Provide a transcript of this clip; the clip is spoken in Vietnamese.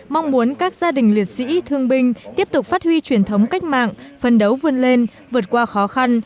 mong muốn các gia đình liệt sĩ thương binh tiếp tục phát huy truyền thống cách mạng phân đấu vươn lên vượt qua khó khăn